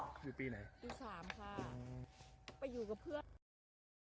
อยู่ปีไหนปีสามค่ะไปอยู่กับเพื่อน